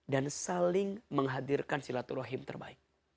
dan saling menghadirkan silaturahim terbaik